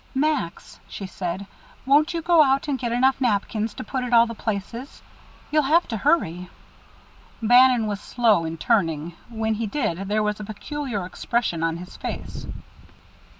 "Max," she said, "won't you go out and get enough napkins to put at all the places? You'll have to hurry." Bannon was slow in turning; when he did there was a peculiar expression on his face.